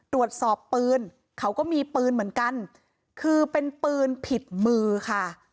ตรวจสอบปืนเขาก็มีปืนเหมือนกันคือเป็นปืนผิดมือค่ะ